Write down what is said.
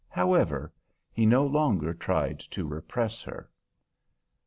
However, he no longer tried to repress her.